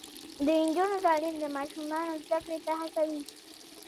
د نجونو تعلیم د ماشومانو زدکړې ته هڅوي.